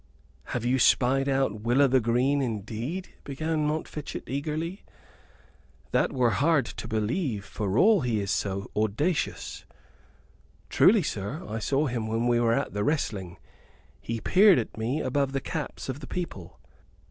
"Have you spied out Will o' th 'Green indeed?" began Montfichet, eagerly. "That were hard to believe, for all he is so audacious." "Truly, sir, I saw him when we were at the wrestling. He peered at me above the caps of the people."